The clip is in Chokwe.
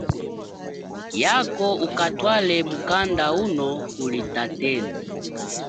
Yako ukatwale mukanda uno kuli tatenu.